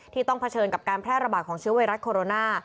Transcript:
ที่ต้องเผชิญกับการแทร่ระบาดของชีวิตโคโรนะ